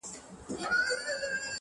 سر تر نوکه لکه زرکه ښایسته وه؛